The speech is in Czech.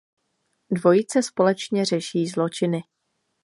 Dvojice společně řeší zločiny.